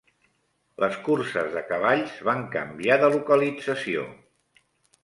Les curses de cavalls van canviar de localització.